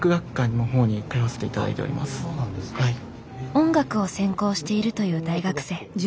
音楽を専攻しているという大学生。